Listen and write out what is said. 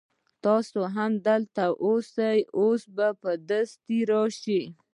تاسو هم دلته اوسئ اوس به دستي راسي.